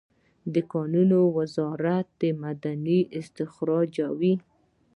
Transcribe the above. د کانونو وزارت معدنونه استخراجوي